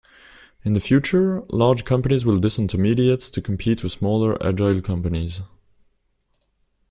In the future, large companies will dis-intermediate to compete with smaller agile companies.